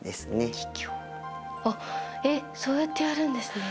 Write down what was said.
あっえっそうやってやるんですね。